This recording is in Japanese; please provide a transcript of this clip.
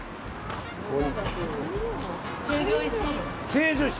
成城石井。